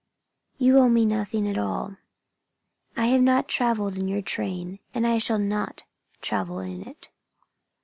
"You owe me nothing at all. I have not traveled in your train, and I shall not travel in it.